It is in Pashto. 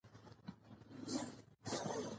سیاسي پرېکړې باید د احساس پر ځای پر عقل ولاړې وي